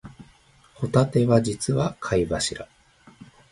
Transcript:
ホタテは実は貝柱